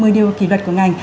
một mươi điều kỷ luật của ngành